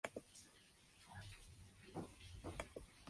El área es rica en recursos forestales.